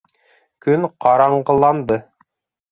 Көн ҡараңғыланды.